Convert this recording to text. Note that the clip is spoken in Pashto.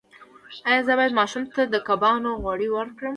ایا زه باید ماشوم ته د کبانو غوړي ورکړم؟